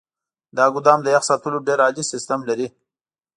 دا ګودام د يخ ساتلو ډیر عالي سیستم لري.